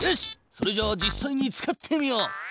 それじゃあ実さいに使ってみよう。